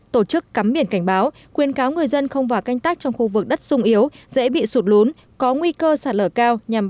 tổ chức cắm biển cảnh báo khuyên cáo người dân không vào canh tác trong khu vực đất sung yếu dễ bị sụt lún có nguy cơ sạt lở cao nhằm bảo đảm an toàn về người và tài sản cho nhân dân